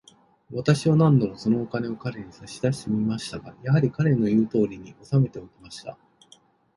私は何度も、そのお金を彼に差し出してみましたが、やはり、彼の言うとおりに、おさめておきました。